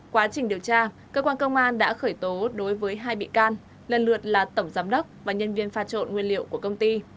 quá trình điều tra cơ quan công an đã khởi tố đối với hai bị can lần lượt là tổng giám đốc và nhân viên pha trộn nguyên liệu của công ty